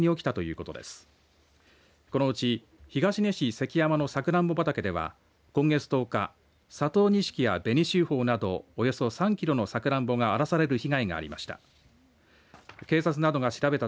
このうち東根市関山のさくらんぼ畑では今月１０日、佐藤錦や紅秀峰などおよそ３キロのさくらんぼが荒らされる被害がありました。